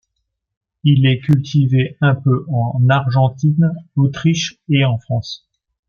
Il est cultivé un peu en Argentine, Autriche et en France.